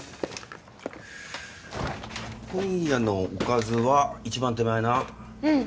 今夜のおかずは一番手前なうん